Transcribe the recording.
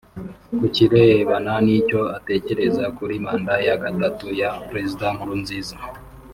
Ku kirebana n’icyo atekereza kuri Manda ya gatatu ya Perezida Nkurunziza